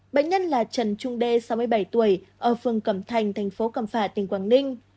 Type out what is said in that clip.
bệnh nhân là trần trung đê sáu mươi bảy tuổi ở phường cầm thành thành phố cầm phà tỉnh quảng ninh